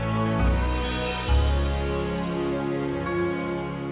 terima kasih ustadz